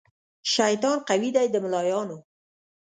شیطان قوي دی د ملایانو